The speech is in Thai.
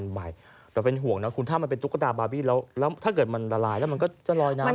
แต่เป็นห่วงนะคุณถ้ามันเป็นตุ๊กตาบาร์บี้แล้วถ้าเกิดมันละลายแล้วมันก็จะลอยน้ำ